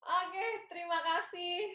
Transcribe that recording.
oke terima kasih